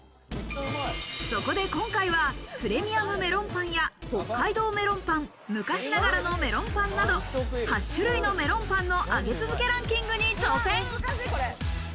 そこで今回はプレミアムメロンパンや北海道メロンパン、昔ながらのメロンパンなど、８種類のメロンパンの上げ続けランキングに挑戦。